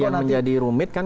yang menjadi rumit kan